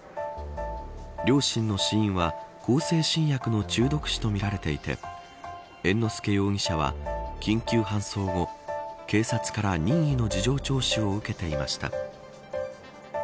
両親の死因は向精神薬の中毒死とみられていて猿之助容疑者は緊急搬送後、警察から任意の事情聴取を受けていました。